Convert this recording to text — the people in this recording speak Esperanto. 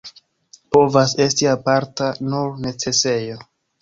Povas esti aparta nur necesejo.